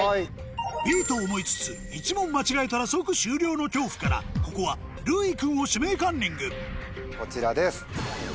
Ｂと思いつつ１問間違えたら即終了の恐怖からここはるうい君を指名カンニングこちらです。